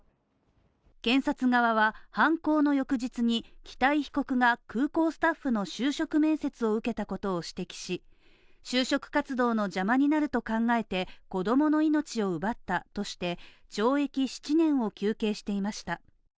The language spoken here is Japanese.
検察側は犯行の翌日に北井被告が、空港スタッフの就職面接を受けたことを指摘し、就職活動の邪魔になると考えて、子供の命を奪ったとして懲役１年を求刑していました。